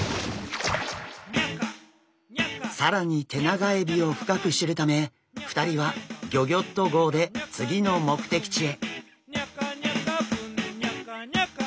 更にテナガエビを深く知るため２人はギョギョッと号で次の目的地へ。